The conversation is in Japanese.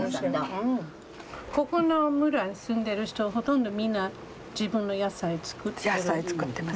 ここの村に住んでる人ほとんどみんな自分の野菜作ってる？